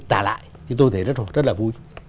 tả lại thì tôi thấy rất là vui